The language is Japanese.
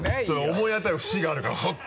思い当たる節があるからはっ！